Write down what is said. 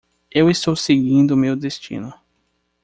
Eu estou seguindo meu destino.